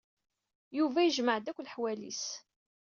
Yuba yejmeɛ-d akk leḥwal-is.